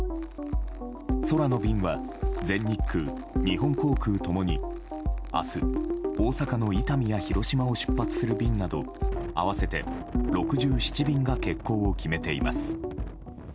空の便は全日空、日本航空共に明日、大阪の伊丹や広島を出発する便など合わせて６７便が欠航を決めています。